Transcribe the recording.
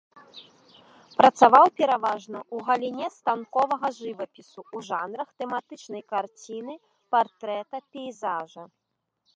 Працаваў пераважна ў галіне станковага жывапісу ў жанрах тэматычнай карціны, партрэта, пейзажа.